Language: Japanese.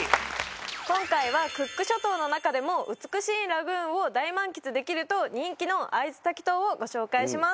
今回はクック諸島の中でも美しいラグーンを大満喫できると人気のアイツタキ島をご紹介します